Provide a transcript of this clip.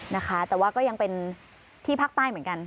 นะคะแต่ว่าก็ยังเป็นที่ภาคใต้เหมือนกัน